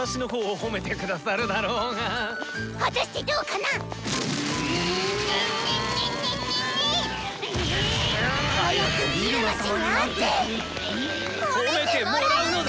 褒めてもらうんだ！